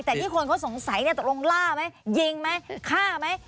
แต่ที่คนเขาสงสัยตกลงล่าไหมยิงไหมฆ่าไหม